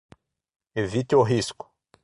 Evite o risco